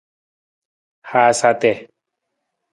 Haasa ati.